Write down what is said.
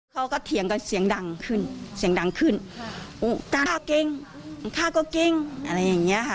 เขาก็เถียงกันเสียงดังขึ้นเสียงดังขึ้นตามข้ากิ้งข้าก็กิ้งอะไรอย่างเงี้ยฮะ